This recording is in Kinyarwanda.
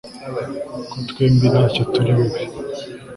Ko twembi ntacyo turi bube